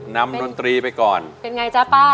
ดนตรีไปก่อนเป็นไงจ๊ะป้า